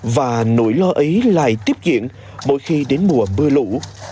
và nỗi lo ấy lại tiếp diễn mỗi khi đến mùa mưa lũ